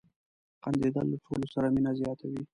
• خندېدل له ټولو سره مینه زیاتوي.